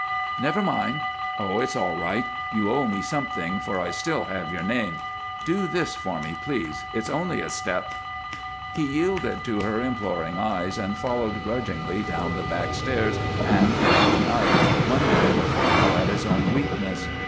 "Never mind. Oh, it's all right. You owe me something, for I still have your name. Do this for me, please! It's only a step." He yielded to her imploring eyes and followed grudgingly down the back stairs and into the night, wondering the while at his own weakness.